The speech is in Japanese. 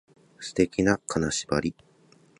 素敵な金縛り